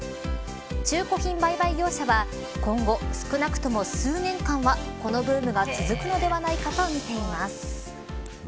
中古品売買業者は今後少なくとも数年間はこのブームが続くのではないかとみています。